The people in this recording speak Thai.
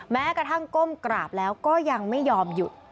แม้กระทั่งก้มกราบแล้วก็ยังไม่ยอมหยุด